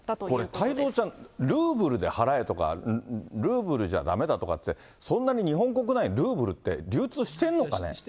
これ、太蔵ちゃん、ルーブルで払えとか、ルーブルじゃだめだとかって、そんな日本国内、ルーブルって流通してるのかね。